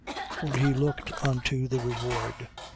For he looked unto the reward.